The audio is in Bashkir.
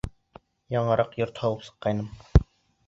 Яңыраҡ йорт һалып сыҡҡайным.